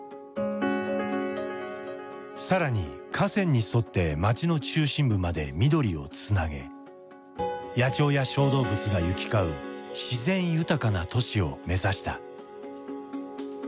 更に河川に沿って街の中心部まで緑をつなげ野鳥や小動物が行き交う自然豊かな都市を目指した。